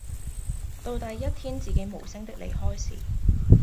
到底一天自己無聲的離開時